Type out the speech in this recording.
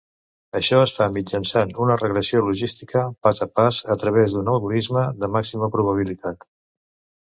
Això es fa mitjançant una regressió logística pas a pas, a través d'un algorisme de màxima probabilitat.